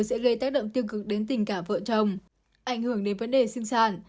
sẽ gây tác động tiêu cực đến tình cả vợ chồng ảnh hưởng đến vấn đề sinh sản